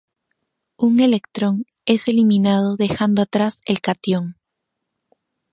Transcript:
Un electrón es eliminado dejando atrás el catión.